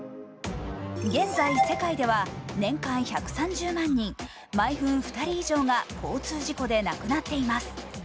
現在、世界では年間１３０万人、毎分２人以上が交通事故で亡くなっています。